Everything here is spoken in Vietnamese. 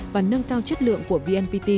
và nâng cao chất lượng của vnpt